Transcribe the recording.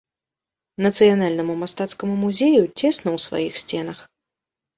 Нацыянальнаму мастацкаму музею цесна ў сваіх сценах.